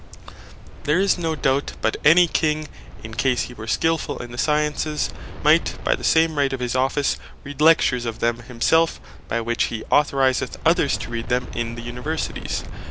There is no doubt but any King, in case he were skilfull in the Sciences, might by the same Right of his Office, read Lectures of them himself, by which he authorizeth others to read them in the Universities.